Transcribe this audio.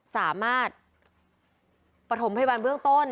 สามารถปฐมพยาบาลเบื้องต้น